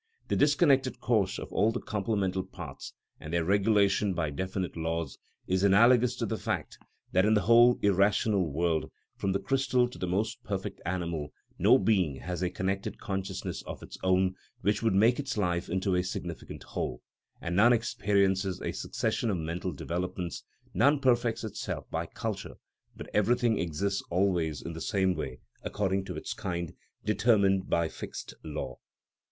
The disconnected course of all the complemental parts, and their regulation by definite laws, is analogous to the fact that in the whole irrational world, from the crystal to the most perfect animal, no being has a connected consciousness of its own which would make its life into a significant whole, and none experiences a succession of mental developments, none perfects itself by culture, but everything exists always in the same way according to its kind, determined by fixed law.